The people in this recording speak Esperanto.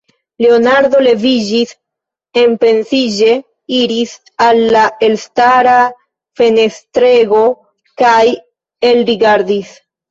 Leonardo leviĝis, enpensiĝe iris al la elstara fenestrego kaj elrigardis.